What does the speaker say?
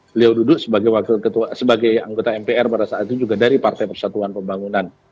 beliau duduk sebagai anggota mpr pada saat itu juga dari partai persatuan pembangunan